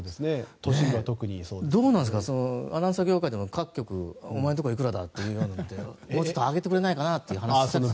どうなんですかアナウンサー業界でも、各局お前のところはいくらだ？とかもうちょっと上げてくれないかなって話とか。